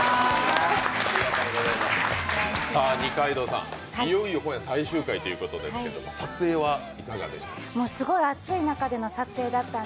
二階堂さん、いよいよ今夜最終回ということですけど、撮影はいかがでしたか？